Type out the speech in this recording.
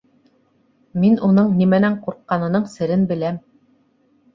Мин уның нимәнән ҡурҡҡанының серен беләм.